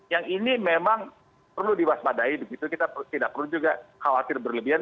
yang ini memang perlu diwaspadai begitu kita tidak perlu juga khawatir berlebihan